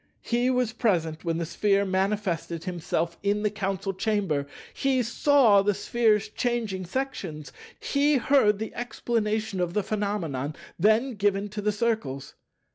He was present when the Sphere manifested himself in the Council Chamber; he saw the Sphere's changing sections; he heard the explanation of the phenomena then give to the Circles.